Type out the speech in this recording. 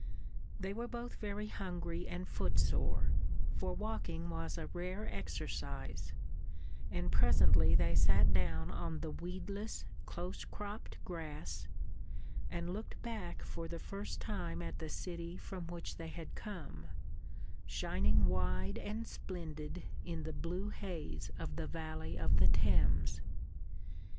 They were both very hungry and footsore for walking was a rare exercise and presently they sat down on the weedless, close cropped grass, and looked back for the first time at the city from which they had come, shining wide and splendid in the blue haze of the valley of the Thames.